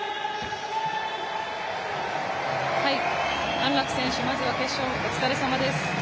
安楽選手、まずは決勝お疲れさまです。